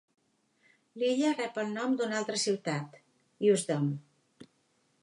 L'illa rep el nom d"una altra ciutat, Usedom.